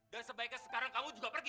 dan sebaiknya sekarang kamu juga pergi